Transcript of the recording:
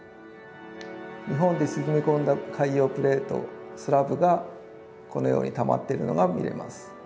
日本で沈み込んだ海洋プレートスラブがこのようにたまっているのが見れます。